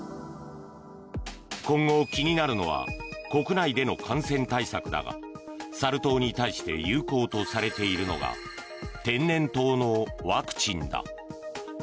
今後、気になるのは国内での感染対策だがサル痘に対して有効とされているのが天然痘のワクチンだ。